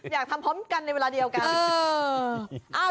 อยากทำพร้อมกันในเวลาเดียวกัน